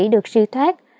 được siêu thoát